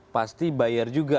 pasti bayar juga